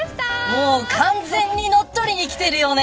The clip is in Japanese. もう完全に乗っ取りにきてるよね。